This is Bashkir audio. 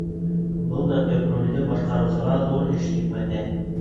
Был да төп ролде башҡарыусыға ҙур эш йөкмәтә.